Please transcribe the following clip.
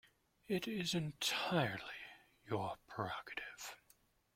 It is entirely your prerogative.